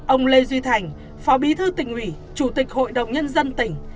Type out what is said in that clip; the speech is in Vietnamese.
ông lê duy thành phó bí thư tỉnh ủy chủ tịch hội đồng nhân dân tỉnh